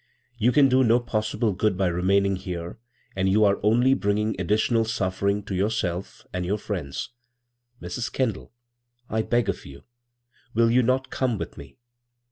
You can do no possible good by remaining here, and you are only bringing additional suffering to yourself and your friends. Mrs. Kendall, I beg of you — will you not come with me?"